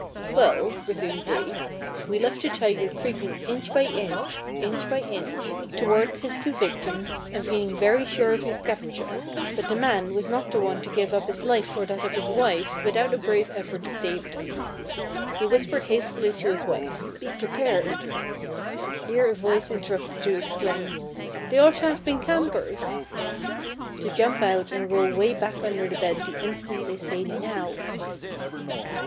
"Well," resumed Dave, "we left the tiger creeping inch by inch, inch by inch, toward his two victims, and feeling very sure of his capture; but the man was not the one to give up his life or that of his wife without a brave effort to save them. He whispered hastily to his wife, 'Be prepared'" here a voice interrupted to exclaim, "They ought to have been campers" "'to jump out and roll way back under the bed the instant I say Now!'